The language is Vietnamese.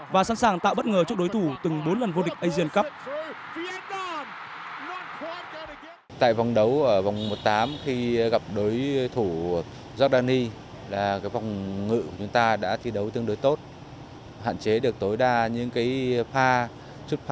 và sẵn sàng tạo bất ngờ cho đối thủ từng bốn lần vô địch asian cup